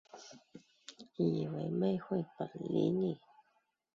以为妹会理你